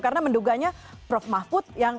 karena menduganya prof mahfud yang